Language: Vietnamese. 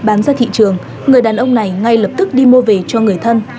bán ra thị trường người đàn ông này ngay lập tức đi mua về cho người thân